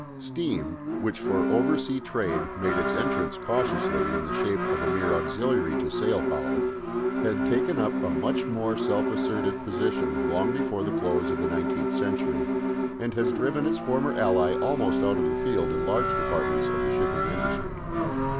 Steam, which for oversea trade made its entrance cautiously in the shape of a mere auxiliary to sail power, had taken up a much more self assertive position long before the close of the nineteenth century, and has driven its former ally almost out of the field in large departments of the shipping industry.